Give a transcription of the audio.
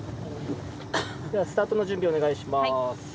じゃあ、スタートの準備、お願いします。